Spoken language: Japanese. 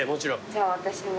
じゃあ私も。